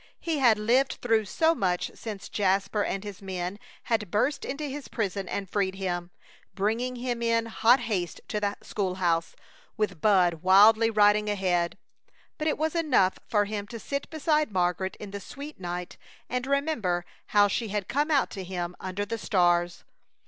He had lived through so much since Jasper and his men had burst into his prison and freed him, bringing him in hot haste to the school house, with Bud wildly riding ahead. But it was enough for him to sit beside Margaret in the sweet night and remember how she had come out to him under the stars.